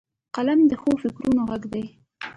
قلم د ښو فکرونو غږ دی